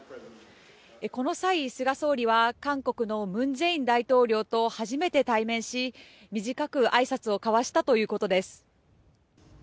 この際、菅総理は韓国の文在寅大統領と初めて対面し短くあいさつを交わしたということです。